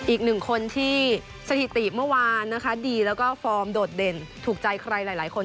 อีกหนึ่งคนที่สถิติเมื่อวานนะคะดีแล้วก็ฟอร์มโดดเด่นถูกใจใครหลายคน